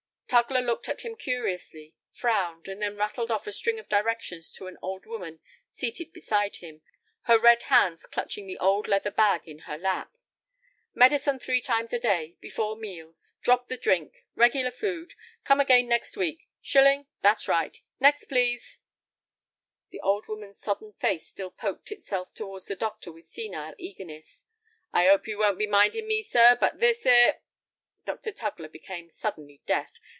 Tugler looked at him curiously, frowned, and then rattled off a string of directions to an old woman seated beside him, her red hands clutching the old leather bag in her lap. "Medicine three times a day—before meals. Drop the drink. Regular food. Come again next week. Shilling? That's right. Next—please." The old woman's sodden face still poked itself towards the doctor with senile eagerness. "I 'ope you won't be minding me, sir, but this 'ere—" Dr. Tugler became suddenly deaf.